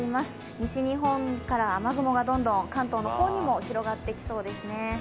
西日本から雨雲がどんどん関東の方にも広がってきそうですね。